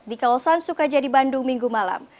di kawasan sukajadi bandung minggu malam